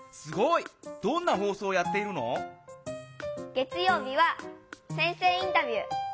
月よう日は「先生インタビュー」。